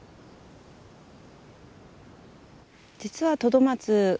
実はトドマツ